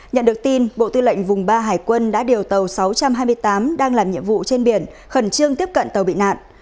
nhận được tin bộ tư lệnh vùng ba hải quân đã điều tàu sáu trăm hai mươi tám đang làm nhiệm vụ trên biển khẩn trương tiếp cận tàu bị nạn